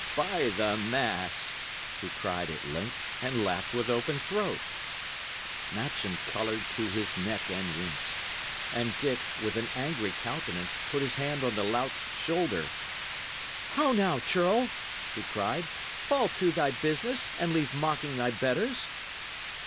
"By the mass!" he cried at length, and laughed with open throat. Matcham coloured to his neck and winced; and Dick, with an angry countenance, put his hand on the lout's shoulder. "How now, churl!" he cried. "Fall to thy business, and leave mocking thy betters."